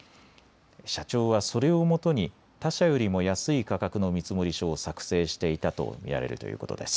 社長はそれをもとに他社よりも安い価格の見積書を作成していたと見られるということです。